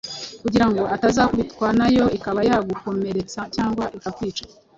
kugira ngo utazakubitwa nayo ikaba yagukomeretsa cyangwa ikakwica.